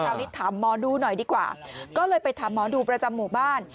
นี้ถามหมอดูหน่อยดีกว่าก็เลยไปถามหมอดูประจำหมู่บ้าน